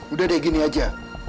udah deh gini aja